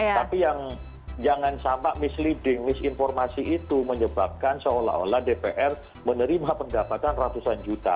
tapi yang jangan sampai misleading misinformasi itu menyebabkan seolah olah dpr menerima pendapatan ratusan juta